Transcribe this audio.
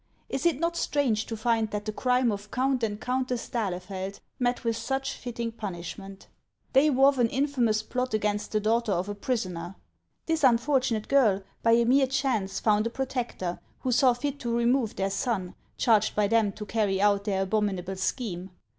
Is it not strange to find that the crime of Count and Countess d'Ahlefeld met with such fitting punishment ? They wove an infamous plot against the daughter of a prisoner ; this unfortunate girl by a mere chance found a protector, who saw fit to remove their son, charged by them to carry out their abominable scheme.